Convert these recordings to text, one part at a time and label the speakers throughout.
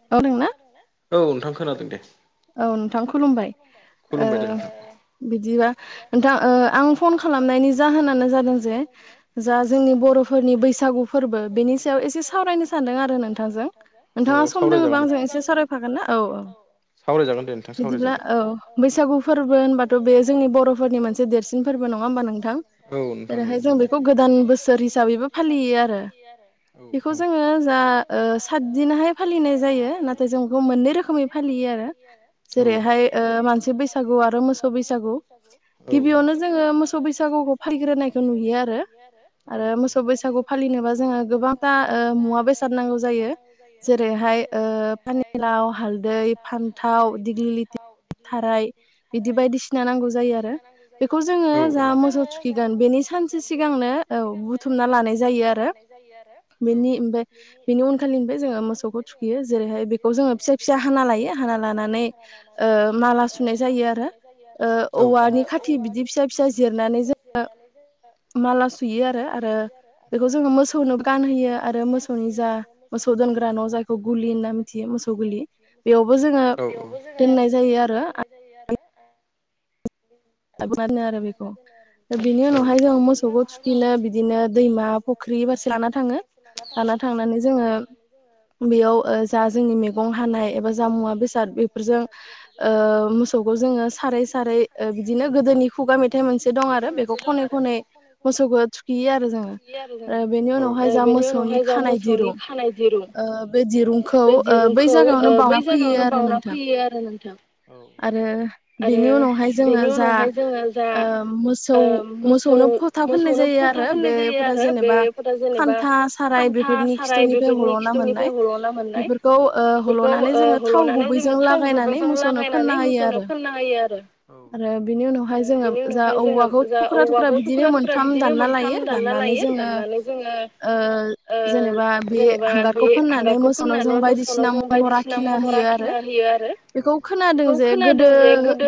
Speaker 1: नोंथां खोनादोंना औ नोंथां खोनादों दे।
Speaker 2: औ नोंथां खुलुमबाय ओ बिदिबा नोंथां आं फन खालामनायनि जाहोनानो जादों जे जा जोंनि बर'फोरनि बैसा गु फोरबो बिनि सायाव एसे सावरायनो सानदों आरो नोंथांजों नोंथाङा सम दङबा आंजों एसे सावरायफा हागोनना औ - औ बिदिब्ला औ बैसागु फोरबो होनबाथ बे जों नि बर'फोरनि मोनसे देरसिन फोरबो नङा होमबा नोंथां जेरैहाय जों बेखौ गोदान बोसोर हिसाबैबो
Speaker 1: फालियो आरो बेखौ जोङो [unintelligible] सातदिनहाय फालिनाय जायो।
Speaker 2: मोननै रोखोमै फालियो आरो जेरैहाय ओ मानसि बैसागु आरो मोसौ बैसागु
Speaker 1: गिबियावनो जोङो मोसौ बैसागुखौ फालिग्रोनायखौ नुयो आरो औ।
Speaker 2: बैसागु फालिनोबा जोङो गोबांथा मुवा बेसाद नांगौ जायो जेरैहाय पानिलाव हालदै फान्थाव दिग्लि लिथि थाराय बिदि बायदिसिना नांगौ जायो आरो बेखौ जोङो जा मोसौ थुखिगोन बेनि सानसे सिगांनो औ बुुथु मना लानाय जायो आरो बेनि ओमफ्राय बेनि उनखालिनि जोङो मोसौखौ थुखैयो जेरै ओमफ्राय बेखौ जोङो फिसा फिसा हाना लायो हाना लानानै माला सुनाय जायो आरो औवानि खाथि बिदि फिसा फिसा जिरनानै जोङो। माला सुयो आरो आरो बेखौ जोङो मोसौनो गानहोयो आरो मोसौनि जा मोसौ दोन ग्रा न' जायखौ गलि होनना मिथियो मोसौ गलि बेयावबो जो ङो दोननाय जायो आरो। [inaudible] [unintelligible] आरो बेखौ दा बेनि उनावहाय जों मोसौखौ थुखिनो बिदिनो दैमा फुख्रि। फारसे लाना थाङो लाना थांनानै जोङो बेयाव जा जोंनि मैगं हानाय। एबा जा मुवा बेसाद बेफोरजों ओ मोसौखौ जोंङो सारै सारै ओ बिदि बिदिनो गोदोनि खुगा मेथाइ मोनसे दं आरो बेखौ खनै खनै मोसौखौ थुखैयो आरो जोङो। बेनि उनावहाय जा मोसौनि खानाय दिरुं बे दिरुंखौ ओ बै जा यगावनो बाउना फैयो आरो नोंथां आरो। बेनि उनावहाय जोङो जा ओ मोसौ मोसौनो फोथा फोननाय जायो। आरो बे फथा जेनेबा खान्था साराय बेफोरनि खिथुनिफ्राय हल'ना मोननाय। बेफोरखौ ओ हल'नानै जोङो थाव गुबैजों लागायनानै मोसौनो फाननो हायो आरो।
Speaker 1: फोनना होयो आरो
Speaker 2: आरो बिनि उनावहाय जोङो जा औवाखौ थुख्रा थुख्रा बिदिनो मोनथाम दानना लायो दाननानै। जोङो जेनेबा बे हांगारखौ फाननानै मोसौनाव जों बायदिसि ना महर आखिना होयो आरो बेखौ खोनादों जे गोदो।
Speaker 1: गोदो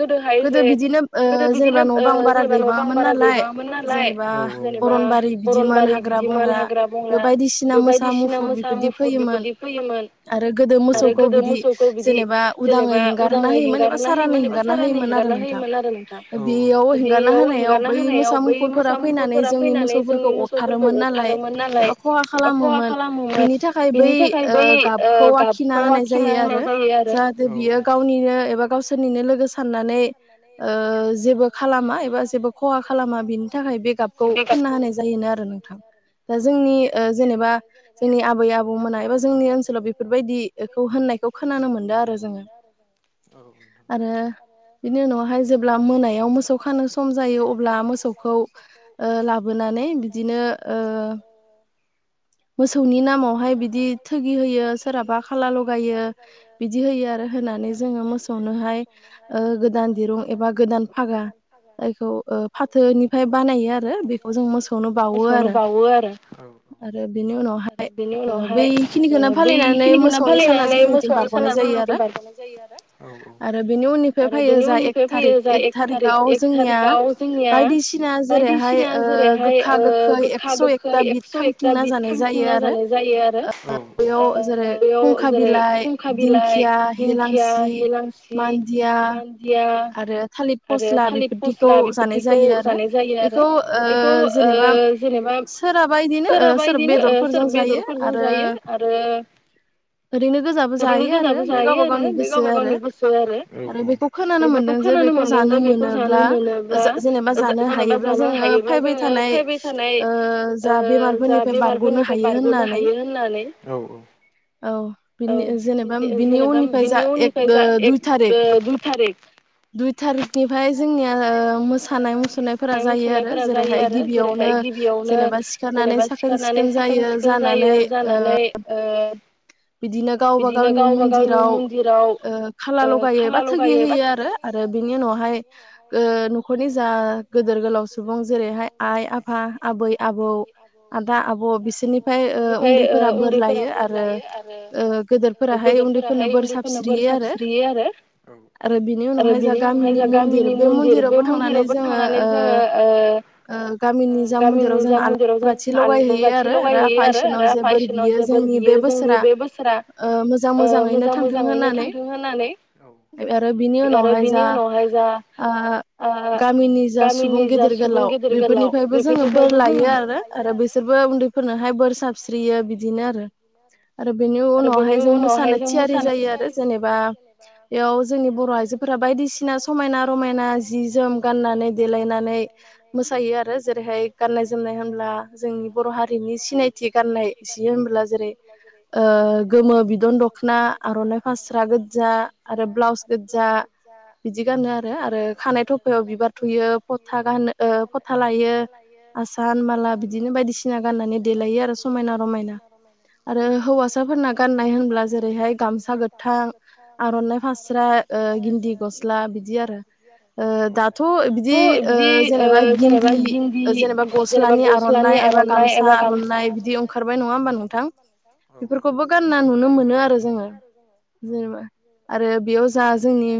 Speaker 1: गोदोहाय जे गोदो बिदिनो जेनेबा न बां बारा गैबा आमोन नालाय जेनेबा अरनबारि बिदिमोन हाग्रा बंग्रा बे बायदिसिना। मोसा मुफुर बेफोरदि फैयोमोन।
Speaker 2: आरो गोदो मोसौखौ बिदि जेनेबा उदाङै ह हेंगारना होयोमोन एबा सारानै हेंगारना होयोमोन आरो नोंथां बेयाव हेंगारना होनायाव बै मोसा मुफुरफोरा फैनानै जोंनि मोसौफोरखौ अरथारोमोन नालाय एबा खहा खालामोमोन। बिनि थाखाय बै गाबखौ आखिना होनाय जायो आरो जाहाथे बियो गावनिनो एबा गावसोरनिनो लोगो साननानै जेबो खालामा एबा जेबो खहा खालामा बिनि। थाखाय बे गाबखौ फानना होनाय जायोनो आरो नोंथां दा जोंनि ओ। जेनेबा जोंनि आबै आबौमोना एबा जोंनि ओनसोलाव बेफोरबायदिखौ होननायखौ खोनानो मोनदों आरो जोङो आरो। बिनि उनावहाय जेब्ला मोनायाव मोसौ खानो सम जायो अब्ला मोसौखौ ओ लाबोना नानै बिदिनो ओ मोसौनि नामावहाय बिदि थोगि होयो सोरहाबा खाला लगायो। बिदि होयो आरो होनानै जों। मोसौनोहाय ओ गोदान दिरुं एबा गोदान फागा जायखौ ओ फाथो। बेनिफ्राय बानायो आरो बेखौ जों मोसौनो बावो आरो आरो बेनि उनावहाय। ओ बेैखिनिखौनो फालिनानै मोसौनि साना जोंनि।
Speaker 1: सौना साना जोंनिफ्राय बारग'नाय जायो आरो। औ औ आरो बेनि उननिफ्राय फैयो जाहा एक थारि एक थारिकआव जोंनिया। बायदिसिना जेरैहाय ओ गोखा गोखै एक्स' एकथा बि खांथिंना जानाय। जायो आरो ओ बेयाव जेरै फुंखा बिलाइ दिंखिया एलांसि मानदिया आरो थालिर फस्ला बेफोरखौ जा नाय जायो आरो। बेखौ ओ जेनेबा सोरहाबा बिदिनो ओ सोरबा बेदर। फोरजों जायो आरो।
Speaker 2: ओरैनो‌ गोजाबो जा
Speaker 1: नो गोजाबो जायो आरो बे गावबा गाव नि गोसो आरो आरो बेखौबो खोनानो मोनदों जे बेखौ जानो मोनोब्ला। जेनेबा जानो हायोबा जोङो फैबाय थानाय ओ जा बेमारफोरनिफ्राय बारग'। नो हायो होननानै औ औ।
Speaker 2: औ बि जेनेबा बिनि उननिफ्राय जा एक
Speaker 1: फै जा एक दुइ थारिख
Speaker 2: दुइ थारिखनिफ्राय जोंनिया ओ मोसानाय मुसुरनायफोरा जायो आरो जेरैहाय गिबियावनो। जेनेबा सिखारनानै साखोन सिखोन जायो जानानै बिदिनो गावबा गावनि मन्दिराव ओ खाला लगायो एबा थोगि होयो आरो आरो बिनि उनावहाय ओ न'खरनि जा गोदेर गोलाव सुबुं जेरैहाय आइ आफा आबै आबौ आदा आबौ बिसोरनिफ्राय ओ उन्दैफोरा बोर लायो आरो गेदेरफोराहाय उन्दैफोरनो बोर सारस्रियो आरो आरो बिनि उनावहाय जोंहा गामिनि मन्दिर बे मन्दिरावबो थांनानै जोङो ओ
Speaker 1: जोङो ओ
Speaker 2: ओ गामिनि जा मन्दिराव जों आलारि बाथि लगायहैयो आरो आफा इसोरनाव जे बोर बियो जों जोंनि बे बोसोरा ओ मोजां मोजाङैनो थांथों होननानै आरो बिनि उनावहाय जा ओ गामिनि जा सुबुं गिदिर गोलाव बेफोरनिफ्रायबो जोङो बोर लायो आरो आरो बिसोरबो उन्दैफोरनोहाय बोर सार- स्रियो बिदिनो आरो आरो बेनि उनाव हाय जों मोसानो थियारि जायो आरो जेनेबा बेयाव जोंनि बर' आइजोफोरा बायदिसिना समायना रमायना जि जोम गाननानै देलायनानै मोसायो आरो जेरैहाय गाननाय जोमनाय होनब्ला जोंनि बर' हारिनि सिनायथि गाननाय। सि होनब्ला जेरै ओ गोमो बिदन दख'ना आर'नाइ फास्रा गोजा आरो ब्लाउस गोजा बिदि गानो आरो‌ आरो खानाय थफायाव बिबार थुयो ओ फथा लायो आसान-
Speaker 1: आसान माला बिदिनो बायदिसिना गाननानै देलायो आरो समायना रमायना।
Speaker 2: हौवासाफोरना गाननाय होनब्ला जेरैहाय गामसा गोथां आर'नाइ फास्रा ओ गिन्दि गस्ला बिदि आरो ओ दाथ' बिदि जेनेबा गिनदि जेनेबा गस्ला लानि आर'नाइ एबा गामसा आर'नानाय बिदि ओंखारबाय नङा होनबा नोंथां बेफोरखौबो गानना नुनो मोनो आरो जोङो जेनेबा आरो बेयाव जा जोंनि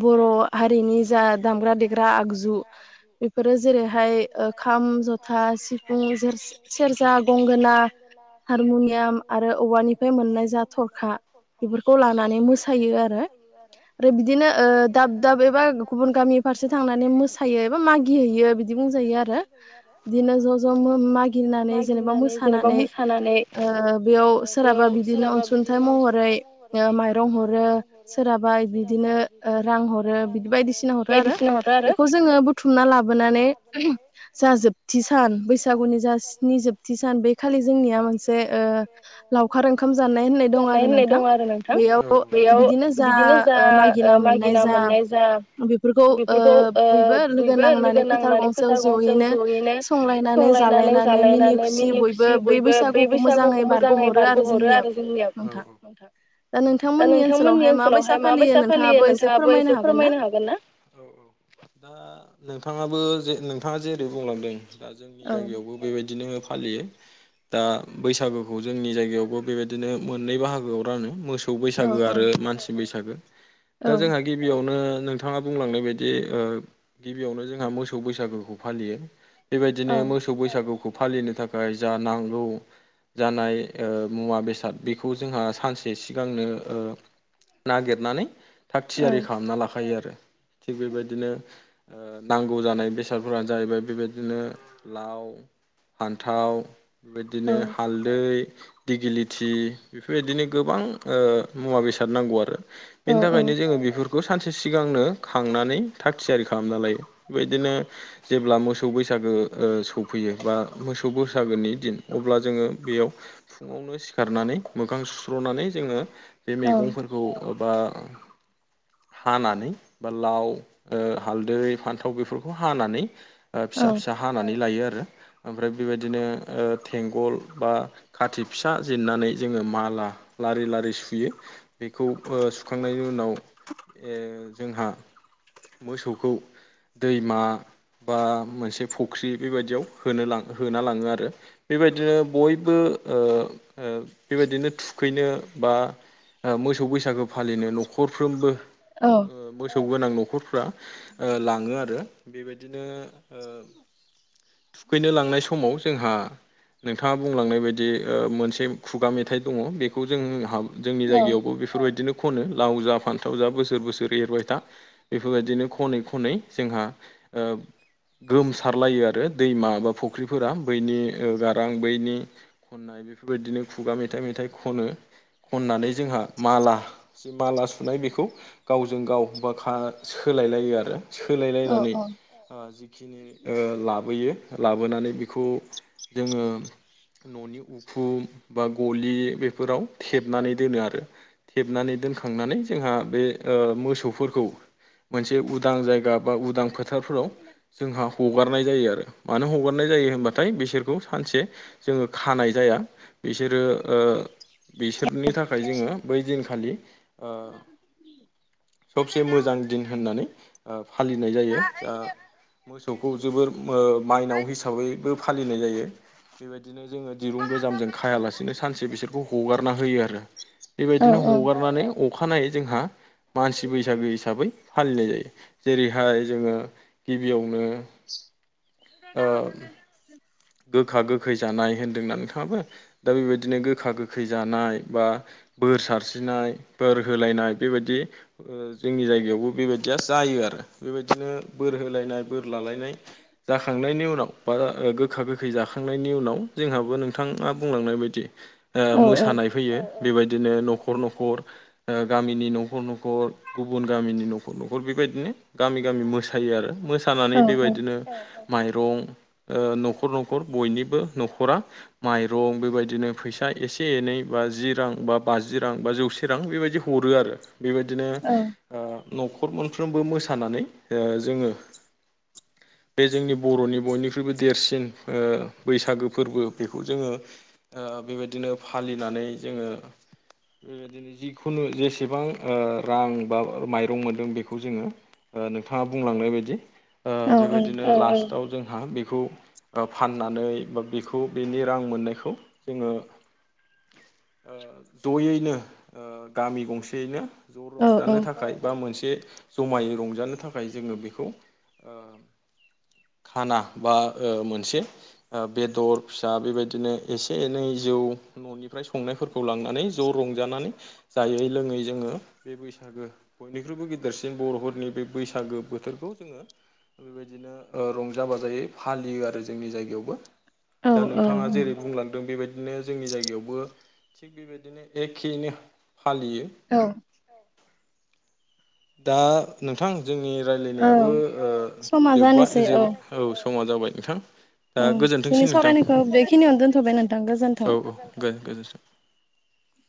Speaker 2: बर' हारिनि जा दामग्रा देग्रा आगजु बेफोरो जेरैहाय ओ खाम, जथा, सिफुं, सेरजा, गंगोना, हारमुनियाम आरो औवानिफ्राय मोननाय जा थरखा बेफोरखौ लानानै मोसायो आरो आरो बिदि बिदिनो दाब दाब एबा गुबुन गामि फारसे थांनानै मोसायो एबा मागि हैैयो बिदि बुंजायो आरो बिदिनो ज' ज' मागिनानै जेनेबा मोसानानै बेयाव सोरहाबा बिदिनो अनसुंथाइ महरै माइरं हरो सोरहाबा बिदिनो रां हरो बिदि बायदिसिना हरो आरो बेखौ जोङो बुथुमना लाबोनानै जा जोबथि सान बैसागुनि जा स्नि जोबथि सान बे खालि जोंनिया मोनसे लावखार ओंखाम जानाय होननाय दं आरो नोंथां बेयाव बिदिनो जा मागिना मोननाय जा बेफोरखौ बयबो लोगो नांनानै फोथार गंसेयाव जयैनो संलायनानै जालायनानै मिनि खुसि बयबो बै बैसागुखौ मोजाङै बारग
Speaker 1: मोजाङै बारग'हरो आरो जोंनियाव नोंथां। दा नोंथांमोननि ओनसोलावहाय माबायसा फालियो नोंथाङाबो एसे फोरमायनो हागोन ना? दा नोंथाङाबो जे नोंथाङा जेरै बुंलांदों दा जोंनि जायगायावबो बेबायदिनो फालियो दा बैसागोखौ जोंनि जायगायावबो बेबायदिनो मोननै बाहागोआव रानो मोसौ मोसौ बैसागो आरो मानसि बैसागो दा जोंहा गिबियावनो नोंथाङा बुंलांनाय बायदि गिबियावनो जोंहा मोसौ बैसागोखौ फालियो। बेबायदिनो मोसौ बैसागुखौ फालिनो थाखाय जा नांगौ। जानाय मुवा बेसाद बेखौ जोंहा सानसे सिगांनो नागिरनानै थाग थियारि खालामना लाखायो आरो थिग बेबायदिनो नांगौ जानाय बेसादफोरा जाहैबाय बेबायदिनो लाव फान्थाव बेबायदिनो बै दिगिलिथि बेफोरबायदिनो गोबां मुवा बेसाद नांगौ आरो बेनि थाखायनो जोङो बेफोरखौ बेखौ सानसे सिगांनो खांनानै थाग थियारि खालामना लायो बेबायदिनो जेब्ला मोसौ बैसा गो सौफैयो बा मोसौ बैसागोनि दिन अब्ला जोङो। बेयाव फुङावनो सिखारनानै मोखां सुस्र'नानै जोङो बे मैगंफोरखौ। बा हानानै बा लाव, हालदै, फान्थाव बेफोरखौ हानानै। फिसा फिसा हानानै लायो आरो ओमफ्राय बेबायदिनो थेंगल। बा खाथि फिसा जिरनानै जोङो माला लारि लारि सुयो बेखौ सुखांनायनि उनाव जोंहा मोसौखौ दैमा बा मोनसे फुख्रि बेबायदियाव होनो होना लाङो आरो बे। बेबायदिनो बयबो बेबायदिनो थुखैनो बा। मोसौ बैसागो फालिनो न'खरफ्रोमबो मोसौ गोनां न'खरफ्रा लाङो आरो बेबायदिनो थुखैनो लांनाय समाव जोंहा नों। थाङा बुंलांनाय बायदि मोनसे खुगा मेथाइ दङ बेखौ जोंहा। जोंनि जायगायावबो बेफोर बायदिनो खनो लाव जा फान्थाव जा बोसोर बोसोर एरबाय था बेफोरबायदिनो खनै खनै जोंहा। गोमसारलायो आरो दैमा बा फुख्रिफोरा बैनि गा रां बैनि खननाय बेफोरबायदिनो खुगा मेथाइ मेथाइ खनो खननानै जोंहा मा ला जि माला सुनाय बेखौ गावजों गाव बा सोलायलायो आरो। सोलायलायनानै जिखिनि लाबोयो ला बोनानै बेखौ जोङो ननि उखुम बा गलि बे फोराव थेबनानै दोनो आरो थेबनानै दोनखांनानै जोंहा बे मोसौफोरखौ मोनसे उदां जायगा बा उदां फोथार। फोराव जोंहा हगारनाय जायो आरो मानो हगारनाय जायो होनबाथाय बिसोरखौ। सानसे जोङो खानाय जाया बिसोरो बिसोरनि थाखाय जोङो बै दिनखालि। ओ सबसे मोजां दिन होननानै फालिनाय जायो जा मोसौखौ जोबोर माइनाव हिसाबैबो फालिनाय जायो। बेबायदिनो जोङो दिरुं गोजामजों खायालासिनो सानसे बिसोरखौ हगारना होयो आरो। बेबायदिनो हगारनानै अखानायै जोंहा मानसि बैसागो हिसाबै। फालिनाय जायो जेरैहाय जोङो।
Speaker 2: दा हरगोन दे
Speaker 1: गोखा गोखै जानाय होन्दों न नोंथाङाबो दा बेबायदिनो गोखा गोखै जानाय। बा बोर सारस्रिनाय बोर होलायनाय बेबायदि जोंनि जायगायावबो बेबायदिया जायो आरो बेबायदिनो बोर होलायनाय बोर लालायनाय। जाखांनायनि उनाव बा गोखा गोखै जाखांनायनि उनाव जोंहाबो नोंथाङा बुंलांनाय बायदि मोसानाय फैयो। बेबायदिनो नखर नखर गामिनि नखर नखर गुबुन गामिनि नखर नखर बे। बेबायदिनो गामि गामि मोसायो आरो मोसानानै बेबायदिनो माइरं नखर। नखर नखर बयनिबो नखरा माइरं बेबायदिनो फैसा एसे एनै बा जि रां। बा बाजि रां बा जौसे रां बेबायदि हरो आरो बेबायदिनो। नखर मोनफ्रोमबो मोसानानै जोङो। बे जोंनि बरनि बयनिख्रुइबो देरसिन बैसागो फोरबो बेखौ जोङो बेबायदिनो फालिनानै जोङो बेबायदिनो जिखुनु जेसेबां रां बा माइरं मोनदों बेखौ जोङो। नोंथाङा बुंलांनाय बायदि बेबायदिनो लास्टाव जोंहा बेखौ। फाननानै बा बेखौ बेनि रां मोननायखौ जोङो जयैनो गामि गंसेयैनो ज रंजानो थाखाय बा मोनसे। से जमायै रंजानो थाखाय जोङो बेखौ खाना बा मोनसे बेदर फिसा बेबायदिनो एसे एनै जौ ननिफ्राय संनायफोरखौ लांनानै ज रंजानानै जायै लोङै जोङो बे बैसागो बयनिख्रुबो गेदेरसिन बर'फोरनि बे बैसागो बोथोरखौ जोङो बेबायदिनो रंजा बाजायै फालियो आरो ज जोंनि जायगायावबो दा नोंथाङा जेरै बुंलांदों बेबायदि बिदिनो जोंनि जायगायावबो थिग बेबायदिनो एखेैनो फालियो दा नोंथां जोंनि रायलायनायाबो जोब्बाय ज औ समा जाबाय नोंथां। दा गोजोनथोंसै नोंथां औ औ गोजोनथों
Speaker 2: [inaudible]